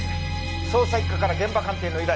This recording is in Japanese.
捜査一課から現場鑑定の依頼。